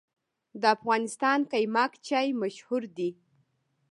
د افغانستان قیماق چای مشهور دی